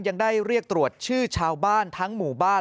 ยังได้เรียกตรวจชื่อชาวบ้านทั้งหมู่บ้าน